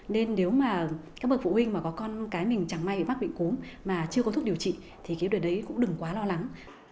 nên nếu mà các bậc phụ huynh mà có con cái mình chẳng may bị mắc bệnh cúm mà chưa có thuốc điều trị thì cái điều đấy cũng đừng quá lo lắng